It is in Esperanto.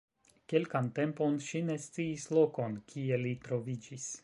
Kelkan tempon ŝi ne sciis lokon, kie li troviĝis.